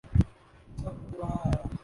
سب کچھ وہاں ہے۔